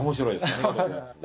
ありがとうございます。